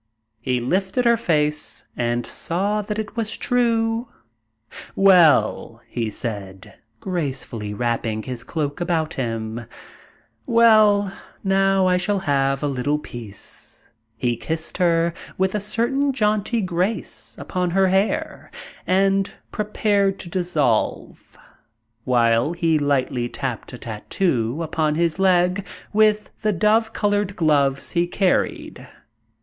He lifted her face, and saw that it was true. "Well," said he, gracefully wrapping his cloak about him, "well, now I shall have a little peace." He kissed her, with a certain jaunty grace, upon her hair, and prepared to dissolve, while he lightly tapped a tattoo upon his leg with the dove colored gloves he carried.